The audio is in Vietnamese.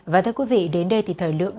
và thưa quý vị đến đây thì thời lượng